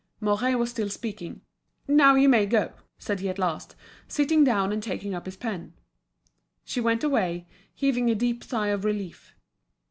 Mouret was still speaking. "Now you may go," said he at last, sitting down and taking up his pen. She went away, heaving a deep sigh of relief.